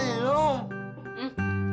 ijan mau minum